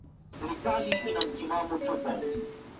na falme kubwa katika eneo la Nigeria ya leo Katika kusini ni